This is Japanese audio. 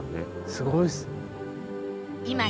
すごいですね。